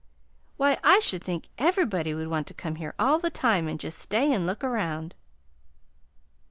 Why, I should think everybody would want to come here all the time, and just stay and look around."